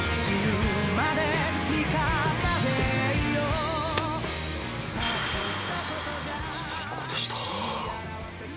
ふぅ最高でした。